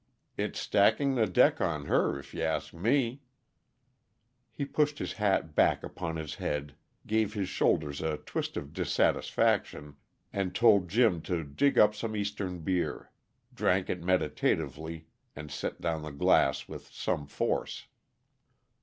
It's stacking the deck on her, if you ask me!" He pushed his hat back upon his head, gave his shoulders a twist of dissatisfaction, and told Jim to dig up some Eastern beer; drank it meditatively, and set down the glass with some force.